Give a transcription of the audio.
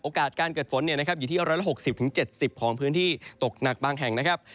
การเกิดฝนอยู่ที่๑๖๐๗๐ของพื้นที่ตกหนักบางแห่งนะครับ